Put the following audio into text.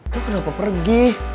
lu kenapa pergi